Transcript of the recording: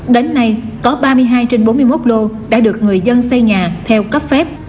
đến nay có ba mươi hai trên bốn mươi một lô đã được người dân xây nhà theo cấp phép